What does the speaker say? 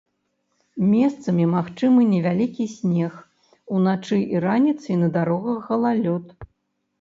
Месцамі магчымы невялікі снег, уначы і раніцай на дарогах галалёд.